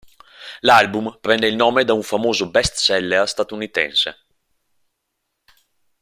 L'album prende il nome da un famoso best seller statunitense.